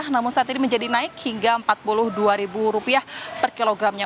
namun saat ini menjadi naik hingga rp empat puluh dua per kilogramnya